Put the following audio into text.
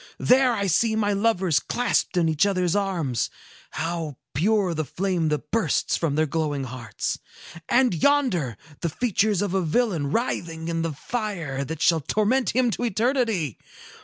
There I see my lovers clasped in each other's arms. How pure the flame that bursts from their glowing hearts! And yonder the features of a villain writhing in the fire that shall torment him to eternity.